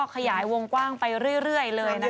ขยายวงกว้างไปเรื่อยเลยนะคะ